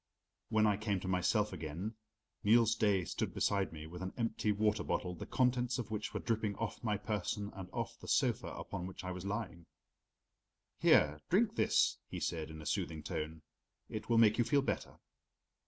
When I came to myself again, Niels Daae stood beside me with an empty water bottle, the contents of which were dripping off my person and off the sofa upon which I was lying. "Here, drink this," he said in a soothing tone. "It will make you feel better."